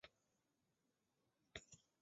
战斗以团派全胜结束。